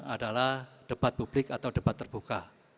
adalah debat publik atau debat terbuka